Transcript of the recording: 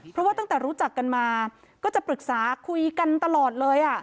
เพราะว่าตั้งแต่รู้จักกันมาก็จะปรึกษาคุยกันตลอดเลย